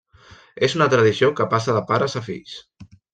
És una tradició que passa de pares a fills.